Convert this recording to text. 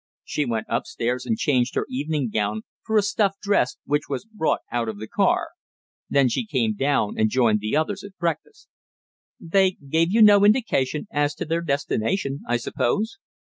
She went upstairs and changed her evening gown for a stuff dress, which was brought out of the car. Then she came down and joined the others at breakfast." "They gave you no indication as to their destination, I suppose?"